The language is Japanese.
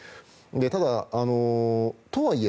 ただ、とはいえ